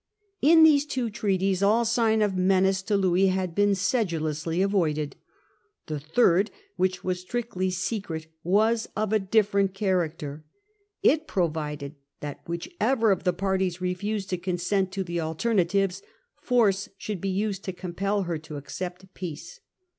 In these two treaties ail sign of menace to Louis had been sedulously avoided. The third, which was strictly The secret secret, was of a different character. It pro treaty. vided that whichever of the parties refused to consent to the 4 alternatives, * force should be used to compel her to accept peace.